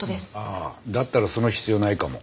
あっだったらその必要ないかも。